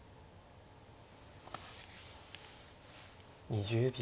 ２０秒。